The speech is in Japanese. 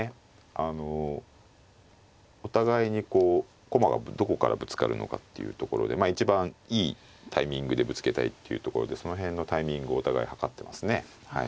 あのお互いにこう駒がどこからぶつかるのかっていうところで一番いいタイミングでぶつけたいっていうところでその辺のタイミングをお互いはかってますね。